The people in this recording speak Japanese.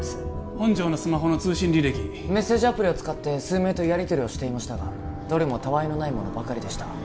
本条のスマホの通信履歴メッセージアプリを使って数名とやりとりをしていましたがどれもたわいのないものばかりでした